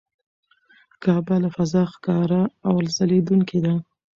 کعبه له فضا ښکاره او ځلېدونکې ده.